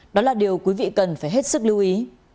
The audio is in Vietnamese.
đó là điều quý vị cần phải hết sức lưu ý